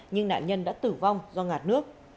nhưng nạn nhân đã tử vong do ngạt nước